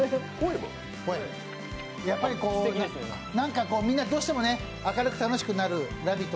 何かみんなどうしても明るく楽しくなる、「ラヴィット！」